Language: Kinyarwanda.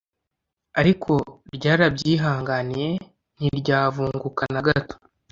ariko ryarabyihanganiye ntiryavunguka na gato.